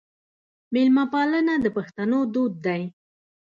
میلمه پالنه د پښتنو دود دی.